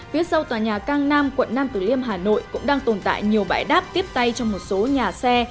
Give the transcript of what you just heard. phía sau tòa nhà cang nam quận nam tử liêm hà nội cũng đang tồn tại nhiều bãi đáp tiếp tay trong một số nhà xe